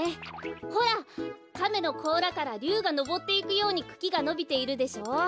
ほらかめのこうらからりゅうがのぼっていくようにくきがのびているでしょう。